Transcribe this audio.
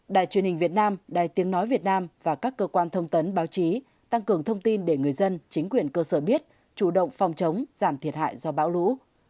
đài truyền hình việt nam đài tiếng nói việt nam và các cơ quan thông tấn báo chí tăng cường thông tin để người dân chính quyền cơ sở biết chủ động phòng chống giảm thiệt hại do bão lũ